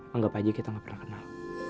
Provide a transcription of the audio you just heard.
anggap aja kita gak pernah kenal